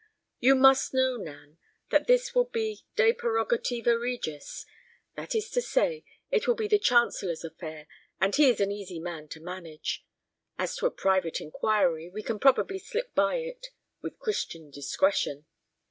"You must know, Nan, that this will be de prerogativa regis—that is to say, it will be the chancellor's affair, and he is an easy man to manage. As to a private inquiry, we can probably slip by it—with Christian discretion.